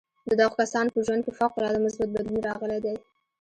د دغو کسانو په ژوند کې فوق العاده مثبت بدلون راغلی دی